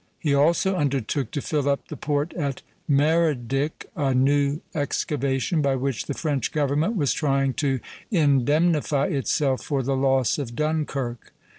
He also undertook to fill up the port at Mardyck, a new excavation by which the French government was trying to indemnify itself for the loss of Dunkirk.